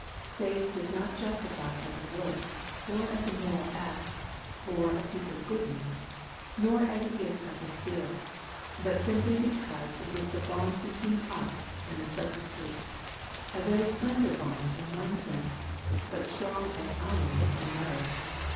* Faith does not justify as a work, or as a moral act, or a piece of goodness, nor as a gift of the Spirit, but simply because it is the bond between us and the substitute ; a very slender bond in one sense, but strong as iron in another.